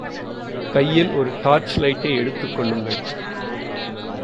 கையில் ஒரு டார்ச் லைட்டை எடுத்துக் கொள்ளுங்கள்.